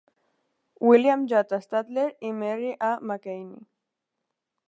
William J. Statler i Mary A. McKinney.